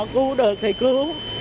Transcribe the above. cứu được thì cứu